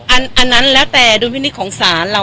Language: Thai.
อันอันนั้นแล้วแต่ดูพิธีของสาร